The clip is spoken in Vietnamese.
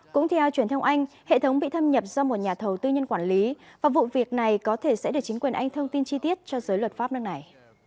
cũng theo truyền thông anh hệ thống bị thâm nhập do một nhà thầu tư nhân quản lý và vụ việc này có thể sẽ được chính quyền anh thông tin chi tiết cho giới luật pháp nước này